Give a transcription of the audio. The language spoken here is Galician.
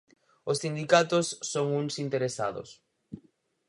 Os sindicatos son uns interesados.